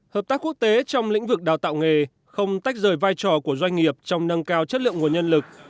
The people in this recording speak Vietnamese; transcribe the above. hợp tác quốc tế trong lĩnh vực đào tạo nghề không tách rời vai trò của doanh nghiệp trong nâng cao chất lượng nguồn nhân lực